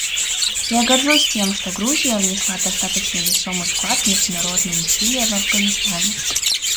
Я горжусь тем, что Грузия внесла достаточно весомый вклад в международные усилия в Афганистане.